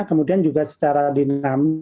kemudian juga secara dinamis